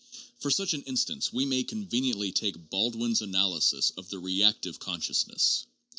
For such an instance we may conveniently take Baldwin's analysis of the reactive consciousness.